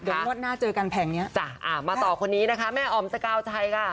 ดังงวดหน้าเจอกันแผงนี้จ้ะมาต่อคนนี้นะคะแม่ออ๋อมสกาวชัยค่ะ